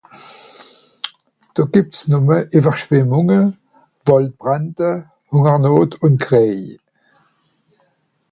Do gebt's numme Ewerschwemmunge, Waldbrände, Hungersnot un Kriej